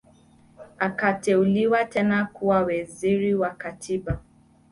Akateuliwa tena kuwa Waziri wa Katiba